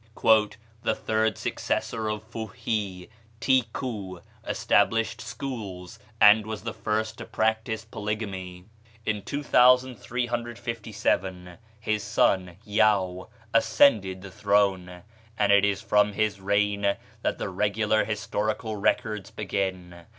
"The third successor of Fuh hi, Ti ku, established schools, and was the first to practise polygamy. In 2357 his son Yau ascended the throne, and it is from his reign that the regular historical records begin.